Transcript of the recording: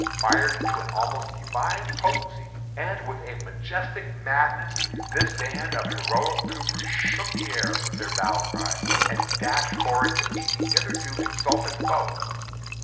Fired to an almost divine potency, and with a majestic madness, this band of heroic troopers shook the air with their battle cry, and dashed forward to meet the hitherto exultant foe.